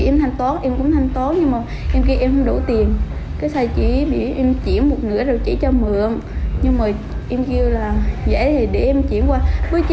em chạm sau em thấy hệ thống chưa họ không chuyển tiền lại cho em